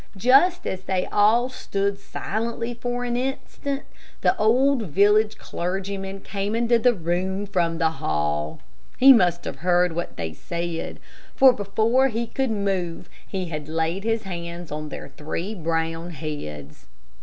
Just as they all stood silently for an instant, the old village clergyman came into the room from the hall. He must have heard what they said, for before they could move he had laid his hands on their three brown heads.